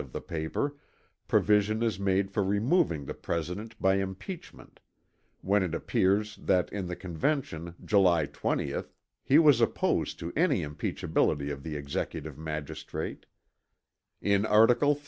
of the paper, provision is made for removing the President by impeachment; when it appears that in the Convention, July 20, he was opposed to any impeachability of the Executive Magistrate: In Art: III.